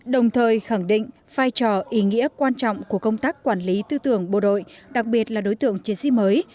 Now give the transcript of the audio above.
đồng thời khẳng định vai trò ý nghĩa quan trọng của công tác quản lý tư tưởng bộ đội đặc biệt là đối tượng chiến sĩ mới